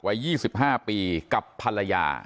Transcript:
วัย๒๕ปีกับภรรยา